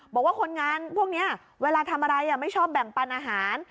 บอกว่าคนงานพวกนี้เวลาทำอะไรไม่ชอบแบ่งปันอาหาร